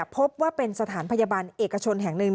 พบว่าเป็นสถานพยาบาลเอกชนแห่งหนึ่ง